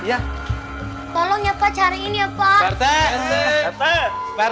ya tolong ya pak cari ini apa